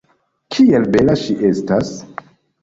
Kiel bela ŝi estas!